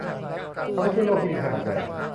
มันไม่ใช่โลกที่มีขนาดใหญ่